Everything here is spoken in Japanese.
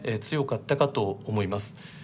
強かったかと思います。